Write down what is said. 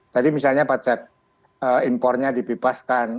jadi misalnya pajak impornya dibebaskan